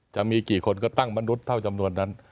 จะมีกี่คนก็ตั้งมนุษย์เท่าจำนวนนั้น